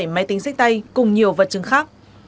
ba mươi bảy máy tính xách tay cùng nhiều vật chứng khác